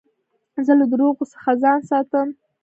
زه له درواغو څخه ځان ساتم.